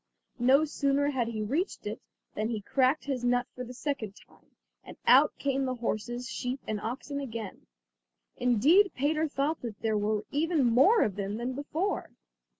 No sooner had he reached it than he cracked his nut for the second time, and out came the horses, sheep, and oxen again. Indeed Peter thought that there were even more of them than before.